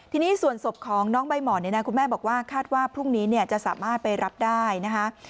ทีนี้ส่วนศพของน้องใบหมอนเนี่ยนะคุณแม่บอกว่าคาดว่าพรุ่งนี้จะสามารถไปรับได้นะคะ